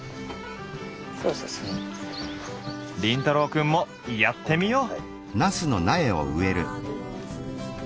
凛太郎くんもやってみよう！